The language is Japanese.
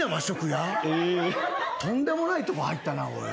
とんでもないとこ入ったなおい。